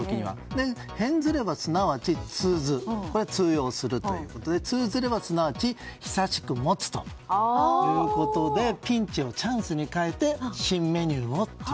変ずれば、すなわち通ずこれは通用するということで通ずるはすなわち久しくもつということでピンチをチャンスに変えて新メニューをと。